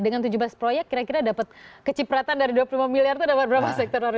dengan tujuh belas proyek kira kira dapat kecipratan dari dua puluh lima miliar itu dapat berapa sektor